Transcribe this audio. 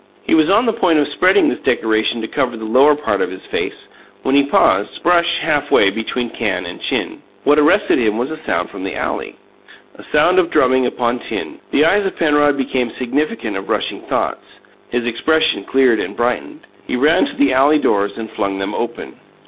He was on the point of spreading this decoration to cover the lower part of his face, when he paused, brush halfway between can and chin. What arrested him was a sound from the alley a sound of drumming upon tin. The eyes of Penrod became significant of rushing thoughts; his expression cleared and brightened. He ran to the alley doors and flung them open.